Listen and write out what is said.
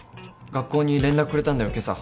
学校に連絡くれたんだよけさ。